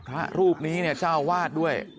พระรูปนี้เจ้าอาวาสด้วย